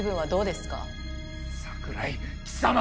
桜井貴様！